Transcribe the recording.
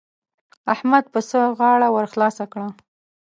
احمد پسه غاړه ور خلاصه کړه.